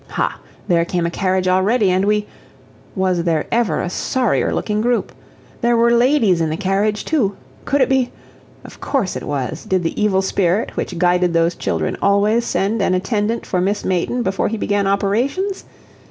Ha! There came a carriage already, and we was there ever a sorrier looking group? There were ladies in the carriage, too could it be of course it was did the evil spirit, which guided those children always, send an attendant for Miss Mayton before he began operations?